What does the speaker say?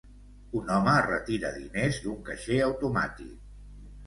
Un home retira diners d'un caixer automàtic